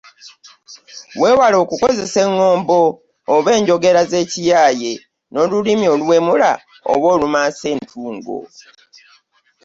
Weewale okukozesa eŋŋombo oba enjogera z’ekiyaaye n’olulimi oluwemula oba olumansa entungo.